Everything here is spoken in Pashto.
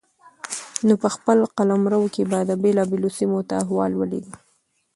نو په خپل قلمرو کې به يې بېلابېلو سيمو ته احوال ولېږه